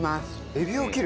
エビを切る。